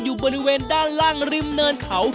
อยู่บริเวณด้านล่างริมเนินเขา